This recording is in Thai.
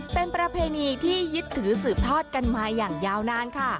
เป็นประเพณีที่ยึดถือสืบทอดกันมาอย่างยาวนานค่ะ